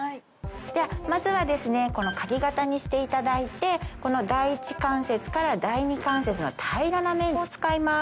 ではまずはカギ形にしていただいて第一関節から第二関節の平らな面を使います。